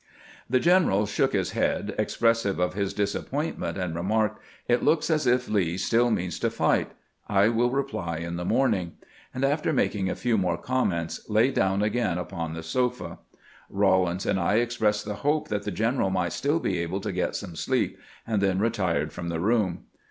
The general shook his head, expressive of his disap pointment, and remarked, " It looks as if Lee still means to fight ; I wiU reply in the morning "; and after making a few more comments, lay down again upon the sofa. Eawlins and I expressed the hope that the general might still be able to get some sleep, and then retired from the room.